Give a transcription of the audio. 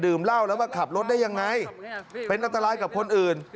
เหล้าแล้วมาขับรถได้ยังไงเป็นอันตรายกับคนอื่น